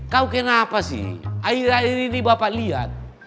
kau kenapa sih akhir akhir ini bapak lihat